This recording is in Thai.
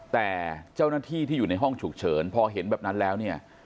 แต่เจ้าหน้าที่ที่อยู่ในห้องฉุกเฉินพอเห็นแบบนั้นแล้วเนี่ย